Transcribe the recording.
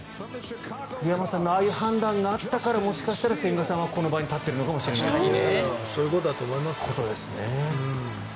栗山監督のああいう判断があったからもしかしたら千賀さんはこの場に立っているのかもしれないということですね。